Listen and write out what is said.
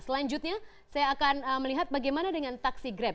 selanjutnya saya akan melihat bagaimana dengan taksi grab